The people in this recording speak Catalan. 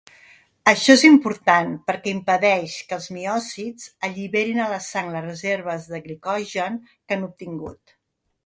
Això és important perquè impedeix que els miòcits alliberin a la sang les reserves de glicogen que han obtingut.